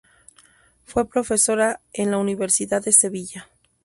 Fue profesora en la Universidad de Sevilla.